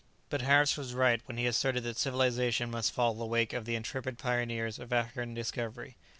But Harris was right when he asserted that civilization must follow the wake of the intrepid pioneers of African discovery.